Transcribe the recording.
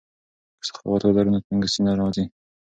که سخاوت ولرو نو تنګسي نه راځي.